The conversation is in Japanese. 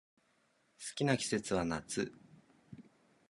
好きな季節は夏